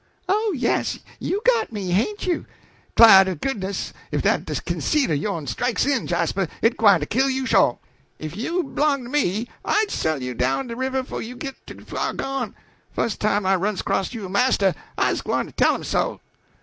"Oh, yes, you got me, hain't you. 'Clah to goodness if dat conceit o' yo'n strikes in, Jasper, it gwine to kill you sho'. If you b'longed to me I'd sell you down de river 'fo' you git too fur gone. Fust time I runs acrost yo' marster, I's gwine to tell him so."